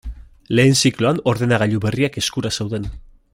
Lehen zikloan ordenagailu berriak eskura zeuden.